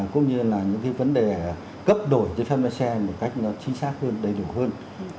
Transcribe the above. cũng như là những cái vấn đề cấp đổi giấy phép lái xe một cách nó chính xác hơn đầy đủ hơn